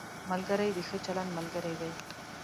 ملګری د ښه چلند ملګری دی